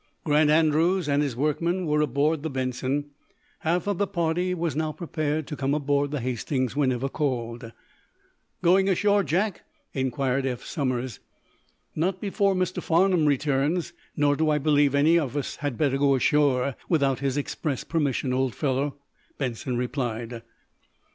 Grant Andrews and his workmen were aboard the "Benson." Half of the party was now prepared to come aboard the "Hastings" whenever called. "Going ashore, Jack?" inquired Eph Somers. "Not before Mr. Farnum returns. Nor do I believe any of us had better go ashore, without his express permission, old fellow," Benson replied.